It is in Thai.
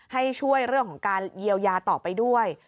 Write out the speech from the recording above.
ให้ช่วยเรื่องของการเยียวยาต่อไปด้วย